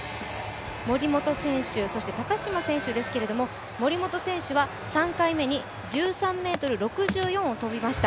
森本選手、そして高島選手ですけども、３回目に１３ｍ６４を跳びました。